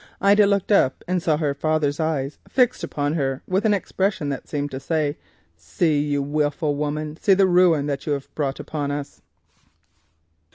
Ida looked up and saw her father's eyes fixed firmly upon her with an expression that seemed to say, "See, you wilful woman, see the ruin that you have brought upon us!"